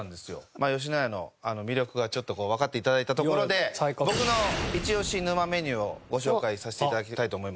まあ野家の魅力がちょっとわかって頂いたところで僕のイチオシ沼メニューをご紹介させて頂きたいと思います。